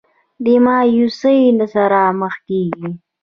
د مايوسۍ سره مخ کيږي